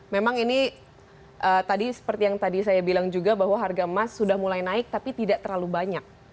memang ini tadi seperti yang tadi saya bilang juga bahwa harga emas sudah mulai naik tapi tidak terlalu banyak